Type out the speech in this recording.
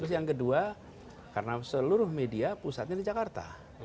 terus yang kedua karena seluruh media pusatnya di jakarta